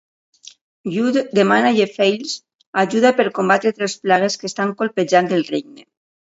Lludd demana a Llefelys ajuda per combatre tres plagues que estan colpejant el regne.